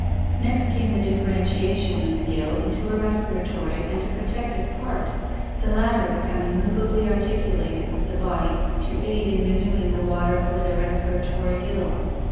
Next came the differentiation of the gill into a respiratory and a protective part, the latter becoming movably articulated with the body to aid in renewing the water over the respiratory gill.